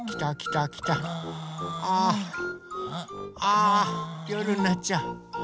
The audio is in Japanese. あよるになっちゃう！